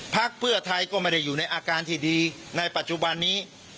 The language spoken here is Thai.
พักเพื่อไทยก็ไม่ได้อยู่ในอาการที่ดีในปัจจุบันนี้